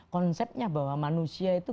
konsepnya bahwa manusia itu